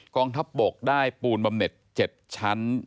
กองทัพบกได้ปูนบำเน็ต๗ชั้น